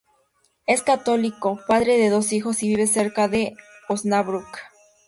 Es católico, padre de dos hijos y vive cerca de Osnabrück.